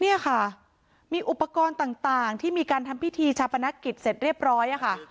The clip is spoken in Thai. เนี่ยค่ะมีอุปกรณ์ต่างที่มีการทำพิธีชาปนกิจเสร็จเรียบร้อยค่ะ